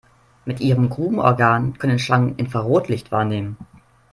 Mit ihrem Grubenorgan können Schlangen Infrarotlicht wahrnehmen.